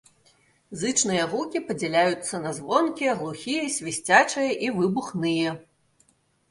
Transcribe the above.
Зычныя гукі падзяляюцца на звонкія, глухія, свісцячыя і выбухныя.